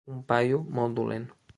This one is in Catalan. Un paio molt dolent.